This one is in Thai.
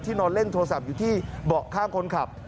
นอนเล่นโทรศัพท์อยู่ที่เบาะข้างคนขับ